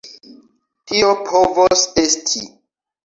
Tio povos esti.